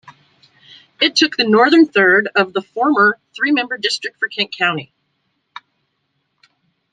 It took the northern third of the former three-member district for Kent County.